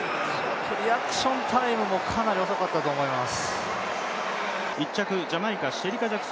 リアクションタイムもかなり遅かったと思います。